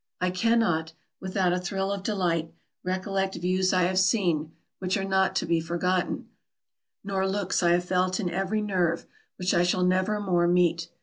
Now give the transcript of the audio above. I cannot, without a thrill of delight, recollect views I have seen, which are not to be forgotten, nor looks I have felt in every nerve, which I shall never more meet.